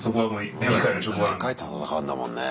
世界と戦うんだもんね。